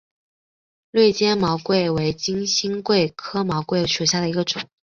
锐尖毛蕨为金星蕨科毛蕨属下的一个种。